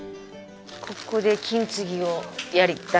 ここで金継ぎをやりたいと思います。